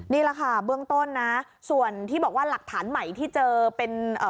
นี่แหละค่ะเบื้องต้นนะส่วนที่บอกว่าหลักฐานใหม่ที่เจอเป็นเอ่อ